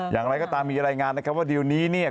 อย่างไรก็ตามมีรายงานว่าดีลนี้เนี่ย